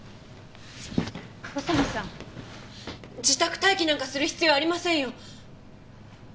自宅待機なんかする必要ありませんよ。